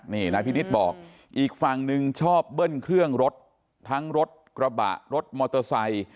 นี่นายพินิษฐ์บอกอีกฝั่งหนึ่งชอบเบิ้ลเครื่องรถทั้งรถกระบะรถมอเตอร์ไซค์